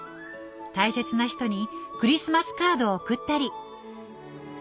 大切な人にクリスマスカードを送ったり。